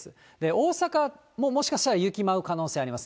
大阪ももしかしたら雪舞う可能性あります。